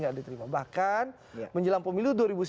gak diterima bahkan menjelang pemilu